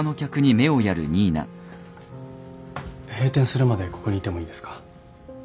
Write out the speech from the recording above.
閉店するまでここにいてもいいですか？